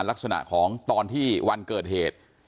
ลักษณะของตอนที่วันเกิดเหตุ